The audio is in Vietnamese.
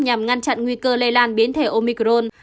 nhằm ngăn chặn nguy cơ lây lan biến thể omicron